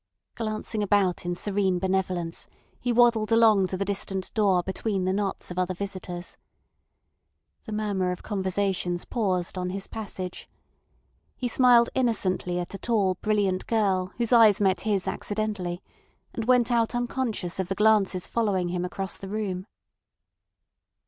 Glancing about in serene benevolence, he waddled along to the distant door between the knots of other visitors. The murmur of conversations paused on his passage. He smiled innocently at a tall, brilliant girl, whose eyes met his accidentally, and went out unconscious of the glances following him across the room.